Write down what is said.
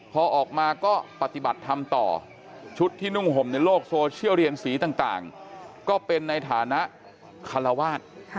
พอออกมาก็ปฏิบัติธรรมต่อชุดที่นุ่งห่มในโลกโซเชียลเรียนสีต่างก็เป็นในฐานะคารวาส